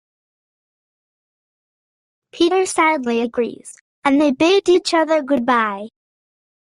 Peter sadly agrees, and they bid each other goodbye.